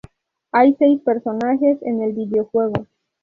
Hay seis personajes en el videojuego.